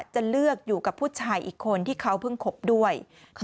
จะเลือกอยู่กับผู้ชายอีกคนที่เขาเพิ่งคบด้วย